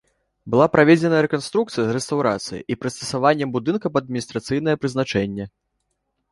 Была праведзеная рэканструкцыя з рэстаўрацыяй і прыстасаваннем будынка пад адміністрацыйнае прызначэнне.